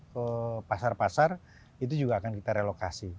ke pasar pasar itu juga akan kita relokasi